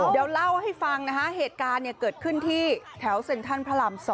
เดี๋ยวเล่าให้ฟังนะคะเหตุการณ์เกิดขึ้นที่แถวเซ็นทรัลพระราม๒